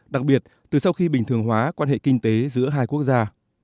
đặc biệt từ sau khi bình thường hóa quan hệ kinh tế giữa hai quốc gia